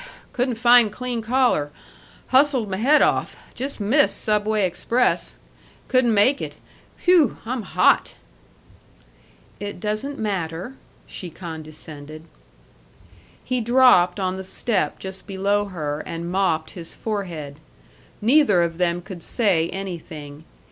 couldn't find clean collar hustled m' head off just missed Subway express couldn't make it whew, I'm hot!" "It doesn't matter," she condescended. He dropped on the step just below her and mopped his forehead. Neither of them could say anything.